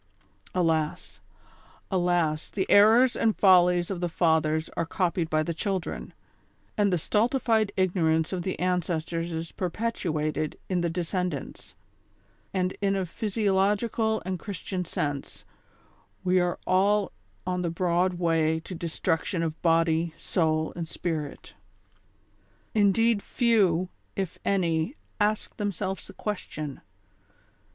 Alas ! alas ! the errors and follies of the fathers are copied by tlie children, and the stultified ignorance of the ances tors is perpetuated in the descendants, and in a physiologi cal and Christian sense, we are all on the broad way to destruction of body, soul and spirit. Indeed few, if any, ask themselves the question.